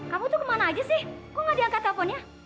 kamu tuh kemana aja sih kok gak diangkat teleponnya